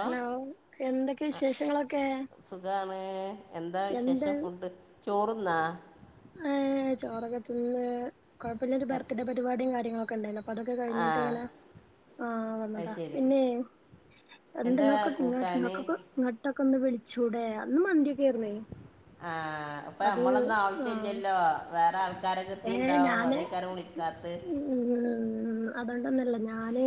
Hello എന്തൊക്കെ ആ വിശേഷങ്ങളൊക്കെ സുഖമാണ് എന്താ എന്ത് വിശേഷം ഫുഡ് ചോറ്ന്നോ ചോറക്കത്തിന്ന് കുഴപ്പല്ല ഒരു ബർത്ത് ഡേ പരിപാടിയും കാര്യങ്ങളൊക്കെ ക്കണ്ടല്ലോ പ്പതൊക്കെ ആ കഴിഞ്ഞിട്ട് ഇങ്ങനെ ആ അത് വന്നതാ ശരി പിന്നെ [unintelligible] എന്താ കൂട്ടാൻ നിങ്ങക്കക്ക് [unintelligible] ഇട്ടൊക്ക ഒന്ന് വിളിച്ചൂടെ അന്ന് മന്തിയൊക്കൊയാരുന്നേ ആഹ അപ്പ നമ്മളെന്നാ ആവശ്യ ആഹ് [unintelligible] വേറെ ആൾക്കാരെ ഏ കിട്ടിണ്ടാവും ഞാന് അതേക്കാറും വിളിക്കാത്ത് ഉം അതൊണ്ടൊന്നല്ല ഞാന്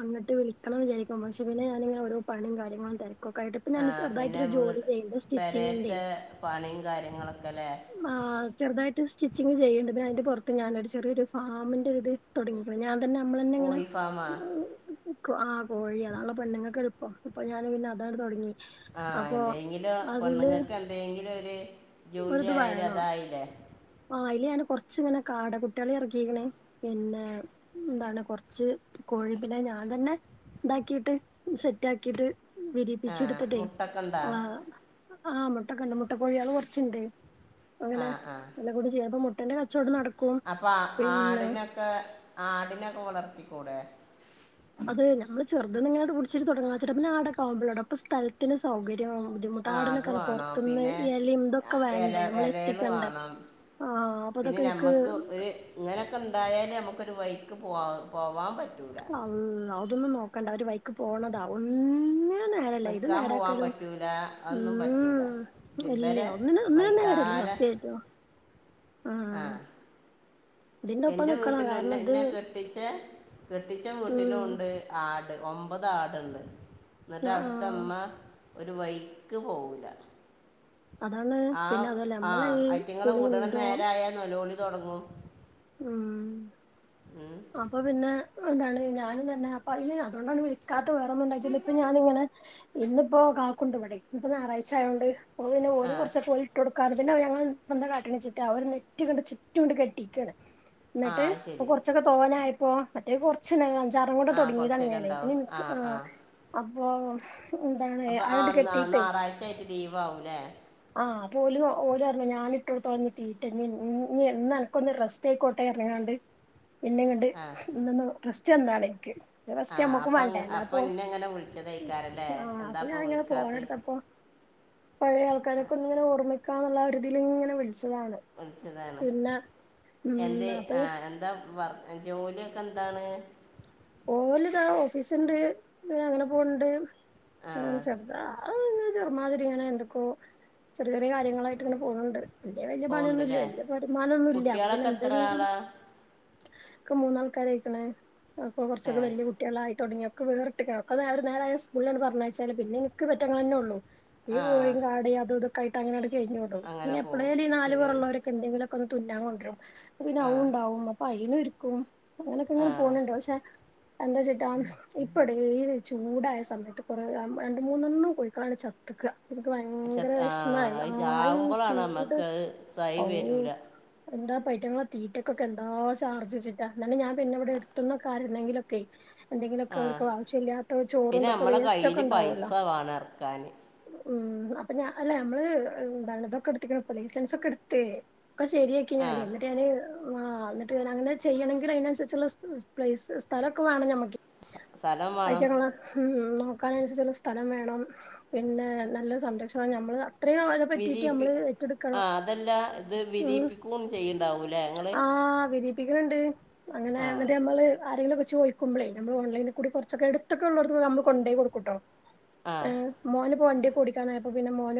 അങ്ങട്ട് വിളിക്കണം ന്ന് വിചാരിക്കും. പക്ഷെ പിന്നെ ഞാനിങ്ങനെ ഓരോ പണിം കാര്യങ്ങളും ഓക്ക ആട്ട് ഇപ്പൊ ആ ഞാൻ പിന്നെ ചെറുതായിട്ട് ജോലി വീട് ചെയ്ത് സ്റ്റിച്ചിങ്ങിന്റെ പെരയത്തെ പണിയും കാര്യങ്ങളൊക്കെ അല്ലേ ആ ചെറുതായിട്ട് സ്റ്റിച്ചിങ് ചെയ്യണ്ട് പിന്നെ അയ്ന്റെ പുറത്ത് ഞാനൊരു ചെറിയൊരു ഫാമിന്റെ ഇത് തുടങ്ങിക്ക്‌ണ് ഞാൻ അന്നെ നമ്മളന്നെങ്ങനെ കോഴി ഫാമാ [unintelligible] ആ കോഴി അതാണല്ലോ പെണ്ണുങ്ങൾക്ക് എൾപ്പം. അപ്പം ഞാൻ പിന്നെ അതാണ്ട് തൊട്ങ്ങി. ആ എന്തെങ്കിലോ പെണ്ണുങ്ങക്ക് എന്തെങ്കിലും ഒരു ജോലി [unintelligible] അതായില്ലേ ആ അയ്ലെയാണ് കൊറച്ച് ഇങ്ങനെ കാട് കുട്ടികളെ ഇറക്കിയിരിക്കണേ പിന്നെ എന്താണ് കൊറച്ച് കോഴി പിന്നെ ഞാൻ തന്നെ ഇതാക്കിട്ട് സെറ്റ് ആക്കിട്ട് ആ വിരിപ്പിച്ചെടുത്തിട്ട് മുട്ടക്കണ്ട ആ ആഹ് മുട്ടക്കെണ്ട് മുട്ടകോഴികള് കുറച്ചിണ്ട് അങ്ങനെ ആ എല്ലാം കൂടി ചെയ്യുമ്പം മൊ അന്റെ കച്ചവടം നടും അപ്പൊ ആടിനൊക്കെ ആടിനൊക്കെ വ ക്കൂടെ അത് ഞമ്മള് ചെറുതിന്ന് ഇങ്ങട് പിടിച്ചിട്ട് തുടങ്ങാന്നച്ചിട്ട് [unintelligible] അപ്പൊ സ്ഥലത്തിന്സൗകര്യം ബുദ്ധിമുട്ടാ ആ അത് ആടിനൊക്കെല്ലെ വേണം പുറത്തുന്ന് പിന്നെ എലേം ആ, ഇതൊക്കെ ഇല വേണ്ടേ നമ്മൾ ഇലകൾ എത്തിക്കണ്ടേ വേണം ആ അപ്പൊ പിന്നെ അതൊക്കെ എനക്ക് നമുക്ക് ഒരു വൈക്ക് പോവാ പോവാൻ പ അൽ അതൊന്ന് നോ കണ്ട ഒര് വൈക്ക് പോണതാ ഒന്ന് നേരല്ല ഇത് നിൽക്കാൻ പോവാൻ നേരാക്കലും പറ്റൂല അതൊന്നും പറ്റൂല ഉം ഇല്ല ഇവരെ ഒന്നിന് ഒന്നിനും നേരല്ല്യ വൈത്താലെ സത്യായിട്ടും ഉം എന്റെ വീട്ടിലുംന്നെ എന്നെ കെട്ടിച്ച കെട്ടിച്ച വീട്ടിലും ഉം ഉണ്ട് ആട് ഒമ്പത് ആടണ്ട് എന്നിട്ട് ആഹ് അവിടുത്തമ്മ ഒരു വയ്ക്ക് പോവൂല്ലാ അതാണ് പിന്നെ അതല്ല നമ്മളെ ഈ കുളിയും തും തൊടങ്ങും ആഹ് അപ്പോ പിന്നെ അതാണ് ഞാനും തന്നെ അപ്പൊ അയ്ന് അതോണ്ടാണ് വിളിക്കാത്ത് വേറൊന്നും ണ്ടായിട്ടല്ല ഇപ്പ ഞാനിങ്ങനെ ഇന്നിപ്പോ കാക്കുണ്ട് വ്ടെയ് ഇപ്പൊ ഞായറാഴ്ച ആയൊണ്ട് അപ്പോ പിന്നേ ആ ഓരു കൊറച്ചപ്പോ ഓര് ഇട്ടു കൊടുക്കാറ ഞങ്ങള് പ്പ എന്താ കാട്ടണ്ച്ച്ട്ടാ ഒര് നെറ്റ് കൊണ്ട് ചുറ്റുംങ്ങട് കെട്ടിക്കാണ്. ആ ന്നിട്ട് അത് ശരി [unintelligible] ങ്ങനെആയപ്പോ മറ്റേ കൊർച്ച്ണ്ടായ്നു അത് ജാറം മൂടാൻ ആ തൊടങ്ങിതാണ് കുറച്ചേരം ഞാന്. ഉണ്ടാവും പിന്നെ ന്ക്ക് ആഹ് അത് ഓഫ്‌ അപ്പോ ആന്ന് ആന്ന് നാറാഴ്ചായിട്ട് ലീവ് വൗലേ ആഹ് അപ്പ ഓല് ഓലറഞ്ഞു ഞാന് ഇട്ടൊടുത്തോളാ ഇനി തീറ്റ. ഞ്ഞി ഇന്ന് അനക്കൊന്ന് റെസ്റ്റ് അയിക്കോട്ടെ പറഞ്ഞാണ്ട് പിന്നെവ്ട് ആ കൊണ്ടന്നു സ്റ്റ് എന്നാ എനക്ക് ആ ഫസ്റ്റ് അമ്മക്കും അപ്പം വേണ്ടേ? അങ്ങ്- അപ്പം അല്ലാപ്പോ. ഇന്നെ അങ്ങനെ ഉം. വിളിച്ചതായിക്കാരല്ലേ ആഹ് എന്താ അപ്പ അപ്പം ഞാനിങ്ങനെ വിളിക്കാത്ത ഫോണെടുത്തപ്പോ ക്ക് ങ്ങനെ ഓർമ്മിക്കാൻ ള്ളാ ഒരുതിലിങ്ങനെ വിളി വിളിച്ചതാണ് ഉം എന്തേ അപ്പൊ ആ എന്താ വർ എ ജോലിക്കെന്താണ്? ഓല്താ ഓഫീസ്ണ്ട് അങ്ങനെ പോണ് ണ്ട് ആ ഓഹ് ചെർതാ ആഹ്ഹ് മാതിരിങ്ങനെ എന്ത്ക്കൊ ചെറ്യ കാര്യങ്ങളായിട്ട് ഇങ്ങനെ പോണുണ്ട്. വല്യ വരുമാനമൊന്നും ഇല്ല. പോകണ്ടല്ലേ വല്യ വരുമാനമൊന്നും ഇല്ല. അപ്പോ പിന്നെ കുട്ടികളൊക്കെ എത്ര എന്തെങ്കിലും ആളാ ഇക്ക് മൂന്നാൾക്കാരായ്ക്ക്ണ് അപ്പോ ഏ കൊറച്ചോക്കെ വല്യ കുട്ട്യാളായി തുടങ്ങിയ ഒക്കെ വേറിട്ടക്ക്ണ്. അപ്പ നേരം നേരായ സ്കൂളിലങ്ങാട് പറഞ്ഞയച്ചാല് പിന്നെനിക്ക് ഇവറ്റങ്ങളന്നെള്ളൂ. ഈ ആ കോയീം കാടേം അതും ഇതും കൈത അങ്ങാണ്ട് കഴിഞ്ഞുടും അങ്ങനെ പിന്നെ പോവും എപ്ളേലു ഈ നാലു ശരിയാണ് പൊറള്ളോരൊക്കണ്ടെങ്കിലും ക്കൊ ഒന്ന് തുന്നാൻ കൊണ്ട് രും അപ്പൊ പിന്നെ ആ അഉം ണ്ടാവും അപ്പൊ അയ്ന് കു [unintelligible] അങ്ങനൊക്കെങ്ങനെ ആ പോണുന്നുണ്ട് പക്ഷെ - എന്താ വച്ചിട്ടാ ഇപ്പ ഇവിടെ ഏത് ചൂടായ സമയത്ത് കൊറേ രണ്ട് മൂന്നെണ്ണം കോഴക്കളാണ് ചത്തേക്ക്ക പക്ഷെ ആ ഈ ചാവുമ്പോളാണ് ചൂട് നമ്മക്ക് അയ് സൈ വരൂല എന്താപ്പാ അയിറ്റങ്ങളെ തീറ്റക്കെന്തോ ചാർജ് വെച്ചിട്ടാ ഇന്നലെ ഞാൻ പിന്നെ ഇവിടെ എടുത്തുന്ന കാരുന്നെങ്കിലൊക്കെ എന്തെങ്കിലുമൊക്കെ ആ അവർക്ക് ആവശ്യം ഇല്ലാത്ത പിന്നെ ചോറുംണ്ടൊക്കെ നമ്മളെ വേസ്റ്റ് കയ്യിൽ ഒക്കെ പൈസ ഉണ്ടാവല്ലോ വേണം ഇറക്കാൻ ഉം അപ്പൊ ഞ അല്ല നമ്മള് എന്താണ് ഇതൊക്കെ എടുക്ക ലൈസൻസ്ഒക്കെ എടുത്ത് അപ്പൊ ശരിയാക്കി ആ ഞാൻ എന്നിട്ട് ഞാന് ആ എന്നിട്ട് അങ്ങനെ ചെയ്യണമെങ്കിൽ അതിനനുസരിച്ചുള്ള പ്ലേസ് സ്ഥലൊക്കെ വേണം ഞമ്മക്ക് സ്ഥലം വേണം അയ്റ്റങ്ങളെ നോക്കാനനുസരിച്ചുള്ള സ്ഥലം വേണം പിന്നെ നല്ല സംരക്ഷണം ഞമ്മൾ വിരിയിപ്പി ആ അതല്ല ഇത് ഉം വിരിയിപ്പിക്കും ചെയ്യണ്ടാവൂലേ ഇങ്ങള് പ്പിക്ക്ണണ്ട് അങ്ങനെ ആരെലുമൊക്കെ ചോയിക്കുമ്പള് നമ്മള് ഓണ്ലൈനിയിൽ കൂടി കുറച്ചൊക്കെ എടുത്തൊക്ക ഉള്ളവർക്ക് നമ്മൾ കൊണ്ടോയി കൊടുക്കുട്ടോ ആ ഏഹ് മോന്പേ വണ്ടി ഒടിക്കാനായപ്പം പിന്നെ മോന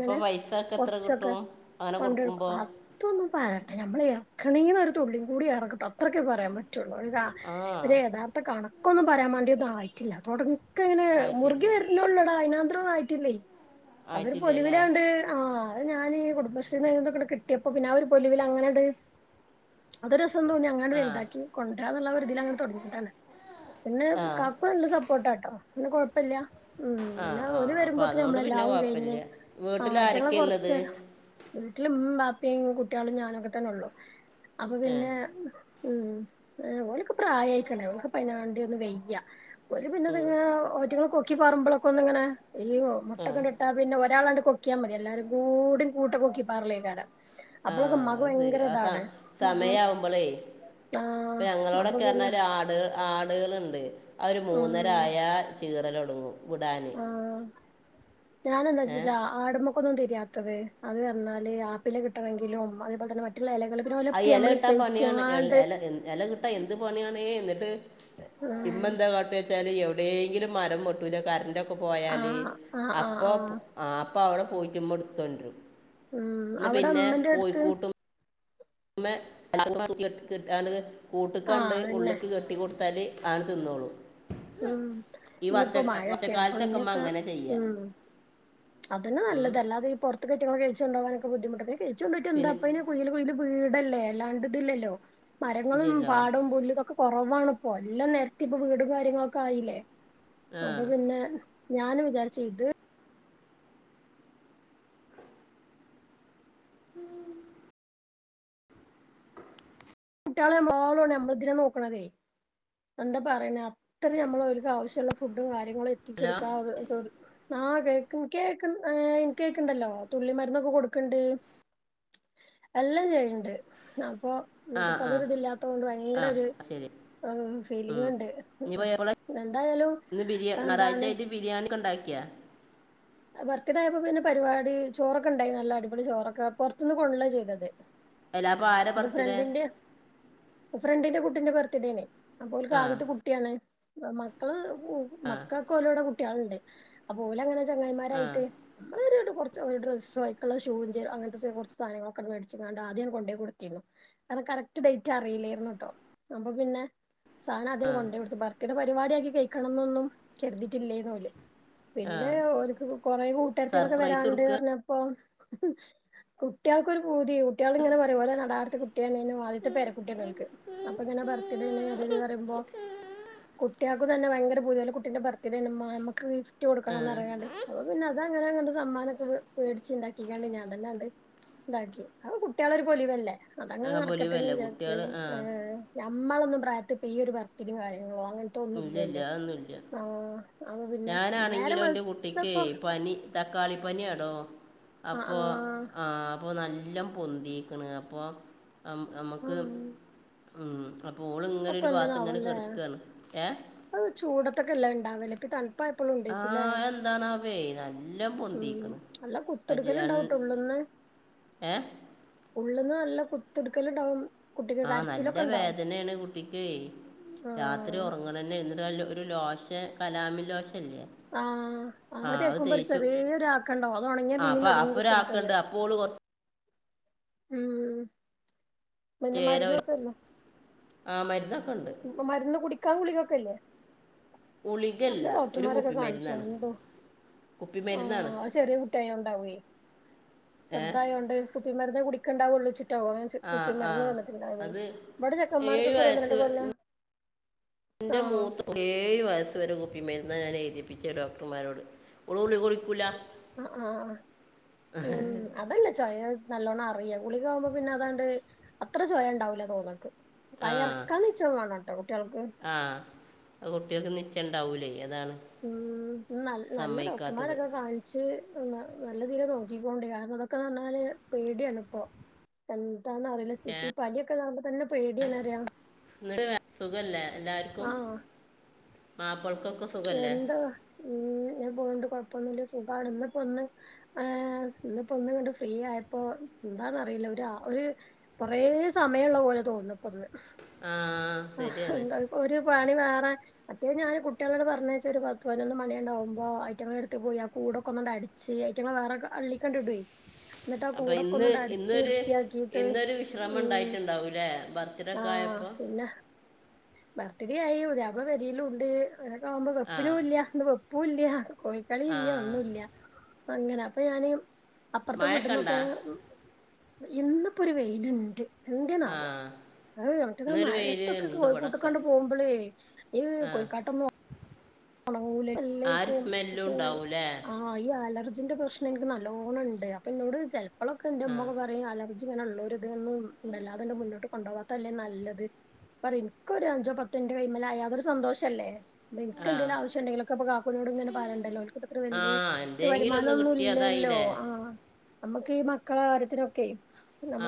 അപ്പോൾ പൈസ ഒക്കെ എത്ര കൊറച്ചൊക്കെ കിട്ടും അങ്ങനെ കൊണ്ടടുക്കും കൊടുക്കുമ്പോൾ അതൊന്നും പ നമ്മൾ ഇറക്കണെന്ന ഒരു തുള്ളിയും കൂടി ഏറക്കിട്ടോ അത്രക്കെ പറയാൻ പറ്റു പറ്റു ആ ഒരു യഥാർത്ഥ കണക്കൊന്നും പറയാൻ മാണ്ടിതായി പറ്റില്ല തൊടങ്ങ് ക്കങ്ങനെ ആയിട്ടില്ല മുറുകി വരുന്നള്ളടാ അതിന ഇത്രയിട്ടില്ലേ അതൊരു ആയിട്ടില്ല അല്ലേ പൊലിമില ഉണ്ട് ആഹ് അത് ഞാനീ ഈ കുടുംബശ്രീന്നെക്കടെ കിട്ടിയപ്പോ പിന്നെ ആ ഒരു പൊലിവിൽ അങ്ങനെണ്ട് അതൊരു- അതൊന്നും അങ്ങനെ ആ വലുതാക്കി കൊണ്ടരാന്നുള്ളരിതിൽ അങ്ങനെ തുടങ്ങിയിട്ടാണ് പിന്നെ ആ കാക്കു നള്ള സപ്പോട്ടാട്ടോ- പിന്നെ കുഴപ്പില്ല ഉം ആ പിന്നെ ആ ഒരു അപ്പോൾ വരുമ്പോത്ത അതുകൊണ്ട് നമ്മളെ പിന്നെ എല്ലാവും കഴിഞ്ഞ് കുഴപ്പമില്ല ആ വീട്ടിൽ അയിറ്റങള്ളോക്കെ ആരൊക്കെയാണ് ഉള്ളത് കൊറച്ചെ വീട്ടിലെ ഉം [unintelligible] കുട്ടികളും ഞാനൊക്കെ തന്നെ ഉള്ളു അപ്പൊ പിന്നെ ഉം ആ അവളക്ക് പ്രായമായിക്കണ് അവൾക്ക് പെണ്ണുകാണെണ്ടി ഒന്നും വെയ്യ ഒരു പിന്നെ നിങ്ങളെ ഓറ്റു- [unintelligible] ക്കി പറമ്പോളൊക്ക് ഒന്ന് ഇങ്ങനെ എയ്യിഗോ ആ ആ മൊട്ടേക്കണ്ടിട്ടാ പിന്നെ ഒരാളാണ്ട് കൊക്കിയാ മതി എല്ലാവരും കൂടി കൂട്ട കൊക്കി പാർലേകാര- ആ അപ്പോളൊക്കുമ്മാക്ക് അത് ശരി ഭയങ്കര ആ സ ഇതാണ് ഇപ്പൊ സമയാവുമ്പോളേ ഇപ്പം ആഹ് അപ്പൊ ഞങ്ങളോടൊക്കെ പിന്നെ അറഞ്ഞാല് ആട് ആടുകളെണ്ട് അതൊരു ആഹ് മൂന്നരായ ചീറലൊ ടങ്ങും ആഹ് ഏ ഞാനെന്താച്ചിട്ടാ ആടുമ്മക്കൊന്നും തിര് രിയാത്തത് അത് അറഞ്ഞാല് ആപ്പില് കിട്ടണെങ്കിലും അതെപോലെതന്നെ മറ്റ് അയെല കിട്ടാൻ പണിയാണ് എൾ എല എൻ എല കിട്ടാൻ എന്ത് പണിയാണേ എന്നി ട്ട് ഉം ഇമ്മെന്താ കാട്ടേ ച്ചാല് എവിടേങ്കിലും മരം ബെട്ടൂലെ കരൺ ണ്ടൊക്കെ പോയാല് ആഹ് ആഹ് ആഹ് അപ്പോ പു ആഹ് അപ്പോ അവിടെ പോയിട്ടുമ്മെടുത്തോണ്ടരും. ഉം അവടെ ഉമ്മന്റടുത്ത് ഉമ്മ [unintelligible] കിട്ടാണ്ട് ആഹ് കൂട്ട്ക്കാണ്ട് അതന്നെ ഉള്ള്ക്ക് കെട്ടി കൊടുത്താല് ആട് തിന്നോളും. ഉം ഇഞ്ഞിപ്പോ മഴൊക്കെയാണ് അപ്പള് വർഷക്കാലത്തൊക്കെ അമ്മ ഇനിയൊക്കെ അങ്ങനെ ചെയ്യുക ഉം അതന്നെ ഉം. നല്ലത് അല്ലാതെ ഈ പൊറത്ത്ക്കെ ഈറ്റങ്ങളൊക്കെ അഴിച്ച് കൊണ്ടോവാനൊക്കെ ബുദ്ധിമുട്ടല്ലേ. ഏച്ചു കൊണ്ടോയിട്ടെന്താ പിന്നെ ഇപ്പയിന് കുയീല് കുയീല് വീടല്ലേ അല്ലാണ്ട്തില്ലല്ലോ മരങ്ങളും ഇല്ലല്ലോ പാടോം പുല്ലുതൊക്കെ കൊറ് റവ്വാണിപ്പോ എല്ലാം നെരത്തി ഇപ്പ വീടും കാര്യങ്ങളൊക്കായില്ലേ. ആ അപ്പൊ പിന്നെ ഞാനും വിചാരിച്ച് ഇത് [inaudible] കുട്ട്യാളെ മാളു ആണ് ഞമ്മളിതിനെ നോക്കണതേ എന്താ പറയുന്നേ അത്രേ നമ്മളോൽക്കാവശ്യുള്ള ഫുഡും കാര് ഹലോ ങ്ങളെത്തിച്ചൊടുക്കാ [unintelligible] ആഹ് കേക്ക്ൺ കേക്ക്ൺ അ ഏ എനിക്കേക്ക്ണ്ടല്ലോ തുള്ളി മരുന്നൊക്കെ കൊടുക്ക്ണ്ട് എല്ലം ചെയ്യിണ്ട് അപ്പോ ആ ആ എന്നട്ടിപ്പതൊരിതില്ലാത്തോണ്ട് ഭയങ്കര ഒരു ആ ശരി ഔ ഉം. ഫീലിംഗ്ണ്ട് ഇനി പോയി എപ്പോഴാ എന്തായാലും അന്താണ് അക്കാ ഭർത്തിത ആായപ്പോ പിന്നെ പരിപാടി ചോറൊക്കെ ഉണ്ടായി നല്ല അടിപൊടി ചോറൊക്കെ പുറത്തുനിന്ന് കൊണ്ടല്ല ചെയ്തത് അല്ല അപ്പോൾ ആരെ ബർത്ത്ഡേ ഫ്രണ്ടിന്റെ ഫ്രണ്ടിന്റെ കുട്ട ട്ടന്റെ ബർത്ത്ഡേനെ അപ്പൊ ഓല്ക്ക് ആ ആദ്യത്തെ കുട്ടിയാണ് മക്കള് ആ മക്കൾക്കല്ലടെ ട്ടി ആള്ണ്ട് അപ്പൊ ഓല് അങ്ങന ആ ചങ്ങമാരായിട്ട് കുറച്ച് ഒരു ഡ്രസ്സ ആയിക്കുള്ള ൂ ചേ അങ്ങനത്തെ കുറച്ച് സാധനങ്ങളൊക്കെ മേടിിച്ചാണ്ട് ആദ്യ കൊണ്ട പോോയി കൊടുത്തിരുന്നു അത് കറക്റ്റ് ഡേറ്റ് അറിയില്ലായിുന്ന കേട്ടോ അപ്പൊ പിന്നെ സാന അ ആ കൊണ്ടോടുത്ത്ാ പരിപാടിയാക്കി കഴിക്കണം എന്നൊന്നും കരുതിട്ടില്ലേന്ന് പോലെ ആ പിന്നെ ക്ക് കുറെേ കൂട്ടുകരത്തികളൊക്കെ സർപ്രൈസ് വരാണ്ട് കൊടുക്കുക പറഞ്ഞപ്പോൊ കുട്ടികൾക്കൊരു പൂതിയ കുട്ടികൾ ഇങ്ങനെ പറയപോലെ നടാടത്തെ കുട്ടിയാണ് ആദ്യത്തെ പേര കുുട്ടിയണികൾക്ക് അപ്പൊ ഇങ്ങനെ ബർത്ത്ഡേണ് അതത് പറയുമ്പോ കുട്ടികൾക്ക് തന്നെ ഭയങ്കര പൂതിയല്ല കുട്ടീന്റെ ബർത്ത് ഡേ ആണ് നമ്മുക്ക്ഫ [unintelligible] ണംറങ്ങാണ്ട് പിന്നെ അത അങ്ങനെങ്ങണ്ട് സമ്മാനം ഒക്കെ പേടിച്ചച്ച് ഇണ്ടാക്കണ്ട് ഞാൻ അതന്നൊണ്ട് ഉണ്ടാക്കി കുട്ടികള ഒരുൊലിവല്ലേ അതങ്ങനെ ആ നടക്കട്ടെന്ന് പൊലിവല്ലേ വിചാരിച്ചു കുട്ടികൾ ആ നമ്മളൊന്നും പ്രായത്തി ഇപ്പ ഈ ഒരു വർക്കിങ്ങും കാര്യങ്ങളോ അങ്ങനെ ഇല്ല ഇല്ല ൊന്നില്ലല്ലോ ആ അപ്പ പിന്നെ [unintelligible] ആണെങ്കിലോ എറെ കുട്ടിക്ക് വെളുത്തപ്പോ പനി തക്കാളി പനിാടോ ആഹ് അപ്പൊ ആഹ് ആ അപ്പൊ നല്ല പൊന്തിക്കണ് അപ്പൊ നമുക്ക് ആഹ് ആ അപ്പ ഓള ഇങ്ങനെൊ ഒരു ഭാത്ത് ഇങ്ങനെ കിടക്കുകയാണ് ഏ അ ചൂടത്തൊക്കെ എല്ലാം ണ്ടില ത ആഹ എന്താണ്േല്ലാം ഉം പൊന്തിക്കണം നല്ല കുത്തെടുക്കല് അജൻ ഉണ്ടാവുട്ടോ ഉള്ള്ന്ന് ഏ ഉള്ള്ന്ന് നല്ല കുത്തിടുക്കല്ടാകും ആ് നല്ല വേദനയാണ് കുട്ട രാത്രി ആഹ് ഉറങ്ങണന്നെ എന്നിട്ട ഒരു ലോശ കലാമ ലോ ആഹ് ആദ്യ കേക്കുമ്പൊ ഒരു തേച്ചു ചെറിയൊര് ആക്കണ്ടാവും അത് ഉണങ്ങിയാ ആ പിന്നിം അപ്പം തുടങ്ങും അപ്പോൾ കുത്ത് കിട്ടാല് ഒരാക്കുണ്ട് അപ്പോൾ ഓള് കുറച്ച് ഉം പിന്നെ ചേ [unintelligible] [inaudible] ആ മരുന്ന ഇപ്പ മരുന്ന് കുടിക്ക ക [unintelligible] ഗുളിക്കൊക്കെല്ലേ നല്ല ഗുളികല്ല ഒരു ഡോക്ടർമാരൊക്കെ കുപ്പിമരുന്നാണ് കാണിച്ചോൊണ്ട് കുപ്പിമരുന്നാണ് ആഹ് ചെറിയ കുട്ടിയായോണ്ടാവുഏ ഏ ചെറുതായോണ്ട് കുപ്പിമാരു ഒണ്ടാവുള്ള [unintelligible] [inaudible] ഓറഞ്ച് ആ കുപ്പി ആ മരുന്ന് തന്നിട്ടുണ്ടാവുഏ ഇവിട ചെക്കന്മാർക്കൊക്കെ ര് ഒന്ന് രണ്ട് കൊല്ലം എന്റെ ആഹ് മൂത്ത [unintelligible] ഏഴ് വയസ് വരെ കുപ്പി മെര്ന്നാ ഞാൻ എയ്തിപ്പിച്ചെ ഡോക്ടർമാരോട് ഓള് കുളിക കുടിക്കൂലാ അ ആഹ് ഉം അതല്ല ചയ നല്ലോണം അറിയ ഗുളികാവുമ്പോ പിന്നെ അതാണ്ട് അത്ര ചോയ ഇണ്ടാവൂല തോന്ന്ന്ണ്ട് ആ [unintelligible] എറക്കാൻ ഇച്ചം വേണട്ടോ കുട്ടിയൾക്ക് ഇണ്ടാവൂലേ ഉം നല്ല സമ്മതിക്കാത്തത് ഡോക്ടർമാരൊക്കെ കാണിച്ച് ഉം നല്ല തീല് ഓക്കെ നോക്കിക്കൊണ്ടി കാരണം ഇതൊക്കേന്ന് റഞ്ഞാല് പേടിയാണ് ഇപ്പൊ ന്ന അറിയില്ല ഏ സിട്ടി പനിയൊക്കെ ക ന്നെ പേടിയണ്പറയ ഇന്നട് വെ സുഖല്ലേ എല്ലാർക്കും ആഹ് മാപ്പള് എന്താ ഉ ഞാ പോണ്ട്പ ഇപ്പ ഒന്നുല്ലെ സുഖാണ് ഇന്നിപ്പോ ഒന്ന് ഹേ ഇന്നിപ്പോ ഒന്ന് അങ്ങട് ഫ്രീ ആയപ്പോ എന്താന്നറിയില്ല ഒരു അ ഒരു കൊറേ സമയ്ള്ള പോലെ തോന്ന ഇപ്പോ ഒന്ന് ആ ആഹ് ശരിയാണ് എന്താ ഒരു പണി വേറെ മറ്റേത് ഞാന് കു കുട്ടിയളങ്ങ് പറഞ്ഞയച്ചാ ഒരു പത്ത്പതിനൊന്ന് മണിയങ്ങടാകുമ്പോ ഐറ്റിങ്ങൾ എടുത്ത് പോയി ആ കൂടെക്കൊന്നങ്ങട് അടിച്ച് ഐറ്റങ്ങൾ വേറെ അള്ളിക്കാണ്ടിടുയ് അപ്പൊ ഇന്ന് ഇന്നൊരു ഇന്നൊരു വിശ്രമം ഉം ണ്ടായിട്ടുണ്ടാവൂല്ലേ ബർത്ത്ഡേ ഒക്കെ ആഹ് ആയപ്പോ പിന്നെ ബർത്ത്ഡേ ആയി പുതിയാപ്ള പെരയിലൂണ്ട് ഇങ്ങനകാകുമ്പോ ആ വെപ്പിനൂല്ല ഇന്ന് വെപ്പ് പ്പൂല്യ കോഴിക്കളി ആ ഇല്ല ഒന്നൂല്ല്യ പ്പ അങ്ങന അപ്പഞാന് അപ്പർത്തെ മഴക്കണ്ട വീട്ട്ന്നൊക്കെ ഇന്നിപ്പോ ഒരു വെയില്ണ്ട് ആ എന്തിനാവോ അയ് നട്ട് ഇന്നൊരു വെയിൽ മഴത്തൊക്കെ ഉണ്ട് കോഴിക്കൂട്ട ഇവിടൊക്കെ ക്കാണ്ട് പോകുമ്പോളേയ് ഏയ് ആ കോയിക്കാട്ടം ഉണങ്ങൂല ആ ഒരു എല്ലായിരിക്കും സ്മെല്ലും പക്ഷെ ഉണ്ടാവൂലേ ആഹ് ഈ ആലർ ന്റെ പ്രശ്നം എനിക്ക് നല്ലോണം ഉണ്ട് അപ്പൊ ഇന്നോട് ചെല ചെലെപ്പെളക്കെ ഇന്റെ ആ ഉമ്മ ഒക്കെ പറയു അല ഇങ്ങനുള്ള ഒരു ഇതൊന്നും വല്ലാതെണ്ട് മുന്നോട്ട് കൊണ്ടപോവാത്തല്ലേ നല്ലത് പറയും എനിക്കൊരു അഞ്ചോ പത്ത് എന്റെകൈയ്മല് ആയാൽ അതൊരു സന്തോഷല്ലേ എനിക്ക് ആ എന്തേലും ആവശ്യം ഉണ്ടെങ്കിലൊക്കെപ്പൊ കാക്കുനോട് ഇങ്ങനെ പറയേണ്ടല്ലോ ഒൽക്ക് അത്ര ആ വല്യ ഒരു എന്തെങ്കിലും വരുമാനം ഒന്ന് ഒന്നും ഇല്ലല്ലോ കിട്ടിയതായില്ലേ ആന് നമ്മുക്ക് ഈ മക്കളെ കാര്യത്തിനൊക്കെ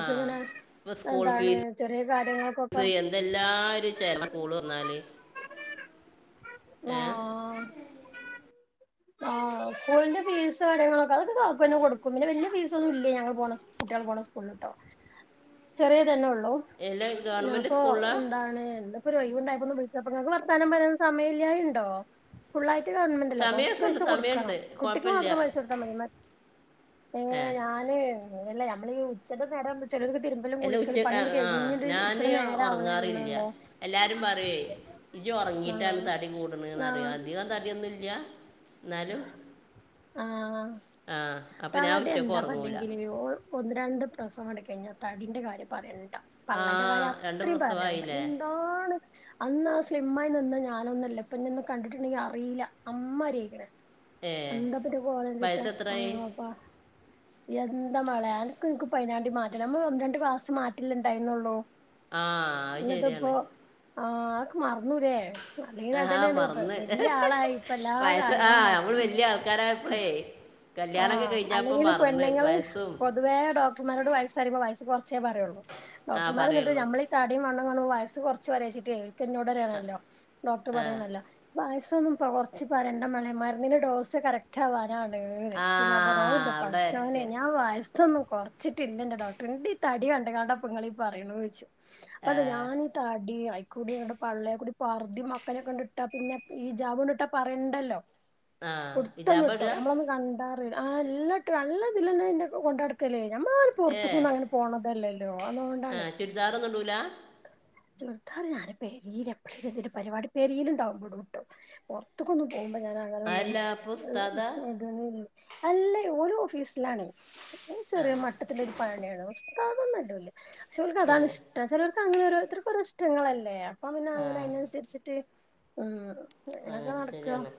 ആഹ ഇപ്പ സ്കൂൾ എന്താണ് ചെറിയ കാര്യങ്ങൾക്കൊക്കെ ഫീസ്സ് എന്തെല്ലാരും സ്കൂള് വന്നാല് ഏ ആ സ്കൂളിന്റെ ഫീസ് കാര്യങ്ങളൊക്കെ കാക്കന്നെ കൊടുക്കും പിന്നെ വലിയ ഫീസ് ഒന്നും ഞങ്ങൾ പോ കുട്ടികൾ പോണ സ്കൂളിട്ടോ ചെറിയ തന്നെ ഉള്ളൂ എല്ലാം ഹലോ ഗവൺമെൻറ് ഞാനപ്പോ സ്കൂളിലാ എന്താണ് എന്ത് അ ഉണ്ടായിപ്പോന്ന് വിളിച്ചപ്പോ നിങ്ങക്ക് വർത്തനം പറയാൻ സമയമല്ല ഉണ്ടോ ഫുൾയിട്ട് ഗവൺമെൻ്റ് അല്ല കുറ സമയമൊക്കെ പൈസ ഉണ്ട് കൊടുക്കണം സമയമുണ്ട് കുട്ടിക്ക് കുഴപ്പമില്ല മാത്രം പൈസടുത്താൻ മതി ഏ ഞാന് അല്ലേ നമ്മള ഈ ഉച്ചത നേടാൻ എല്ലാ ഉച്ചക്ക ആ ഞാന് ഇരിക്കണ ഉറങ്ങാറില്ല നേരാവണല്ലേള്ളൂ എല്ലാരും പറയേ ഇജു ആഹ് ഉറങ്ങിയിട്ടാണ് തടി കൂടണന്ന് അറിയ അധികം തടിയൊന്നുമല്ല ആഹ ആ അപ്പം ഞാൻ തടി ഉച്ചക്ക് എന്താ ഉറങ്ങൂല പറഞ്ഞെങ്കില് ഒന്ന് രണ്ട് രസംടുക്ക കഴിഞ്ഞൽ തടിന്റെ കാര്യം പറയണ്ട് ആ പള്ളന്റെ കാര്യം രണ്ട് അത്രയും പറയാനണ്ട പ്രസവമായില്ലേ എന്താണ് അന്ന് ആ സ്ലിമ്മായി നിന്ന ഞാനൊന്നുമല്ല ഇപ്പന്ന് കണ്ടിട്ടുണ്ടെങ്കി അറിയില്ല അമ്മ് അരയിക്കണെ ഏ എന്താ പിന്നെ കോലചിട്ടാ വയസ്സ് എത്രയായി ആഹ അപ്പാ എന്താ മളയാ നനിക്ക് പതിനാണ്ടി മാറ്റ നമ്മൾ പന്ത്രണ്ട് ക്ലാസ് മാറ്റില്ലുണ്ടായിരുന്നുള്ളു ആഹ അത് ശരിയാണ് ആഹ ആക്കമാ മറന്നുലെ അല്ലെങ്കിൽ അ ആ തന്നെ മറന്ന് വല്യ ആളായി ഇപ്പ എല്ലാ വയസ്സ് ആ കാര്യങ്ങളും നമ്മൾ വലിയ ആൾക്കാരായപ്പോഴേ ആ കല്യാണമൊക്കെ കഴിഞ്ഞപ്പോൾ അല്ലെങ്കിൽ മറന്ന് പെണ്ണുങ്ങള് വയസ്സും പൊതുവേ ഡോക്ടർമാരോട് പ സരി വയസ റച്ചേ പറയുള്ള ആ ഡോക്ടർമാർ എന്നിട്ട് പറയുള്ളൂ നമ്മളീ ഈ തടിയും വണ്ണവും കുറച്ച് പറയച്ചിട്ട ർക്ക് എന്നോട് [unintelligible] ഡോക്ടർ ആ പറയണല്ലോ. [unintelligible] കുറച്ച് പറയട [unintelligible] മരുന്നന്റെ ഡോസ് കറക്റ്റ് ആവാനാണ്. ആ ഞാ [unintelligible] അവിടെ പഠിച്ചോനെ വരട്ടെ ഞാ വ [unintelligible] കുറച്ചിട്ടില്ലണ്ടറെ ഡോക്ടർ എന്റെ ഈ തടി കണ്ട കണ്ടപ്പ നിങ്ങളീ പറയണ ചോദിച്ചു. അപ്പ അത ആ ഞാനീ തടിയും ആയി. കൂടി കണ്ട് പള്ളയെ കൂടി പറുദ്ധയും മക്കനെ കൊണ്ടിട്ടാ പിന്നെ ഈജാബ് കൊണ്ടിട്ടാ പറയണ്ടല്ലോ. ആ പുടുത്തം ഹിജാബ വിട്ടോ ഇടുക നഞമ്മളൊന്ന് കണ്ടാ. ആ എല്ലാ നല്ലതിലന്നെ കൊണ്ട നടക്കല്ല്. ഞമ്മളെ ആരും ഏ പുറത്തുക്കന്ന് അങ്ങനെ പോണതല്ലല്ലോ ആ അതോണ്ടാണ്. ചുരിദാറൊന്നും ഇടൂല ചുരിദാറും ഞാന [unintelligible] പരിപാടി പേരിലുണ്ടാവുമ്പോടും വിട്ടും പുറത്തക്കൊന്ന് പോക ആഹ് ഞാൻ അങ്ങനെ ഒന്നും അല്ല അപ്പൊ ഉസ്താദ [unintelligible] അല്ലേ ഓരോ ഓഫീസിലാണ്. ആ ചെറിയ മട്ടത്തിലൊരു പണിയാണ്. ആാവുന്നുണ്ടല്ലേ [unintelligible] ആ അതാണ് ഇഷ്ടം ചേലോ അങ്ങനെ ഓരോരുത്തർക്കും. ഓരോ ഇഷ്ടങ്ങളല്ലേ? [unintelligible] ആ അതിനനുസരിച്ചിട് ആഹ. ആ എനക്കെ നടക്ക. ശരിയാണ്